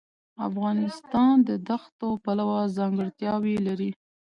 افغانستان د دښتو پلوه ځانګړتیاوې لري.